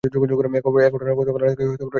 এ ঘটনায় গতকাল রাত পর্যন্ত কোনো মামলা হয়নি।